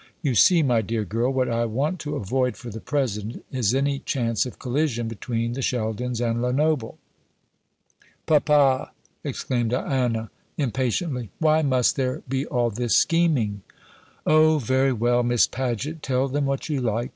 You see, my dear girl, what I want to avoid, for the present, is any chance of collision between the Sheldons and Lenoble." "Papa!" exclaimed Diana, impatiently, "why must there be all this scheming?" "O, very well, Miss Paget; tell them what you like!"